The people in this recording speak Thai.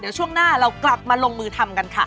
เดี๋ยวช่วงหน้าเรากลับมาลงมือทำกันค่ะ